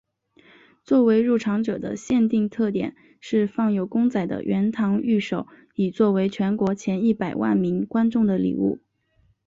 作为入场者的限定特典是放有公仔的圆堂御守以作为全国前一百万名观众的礼物。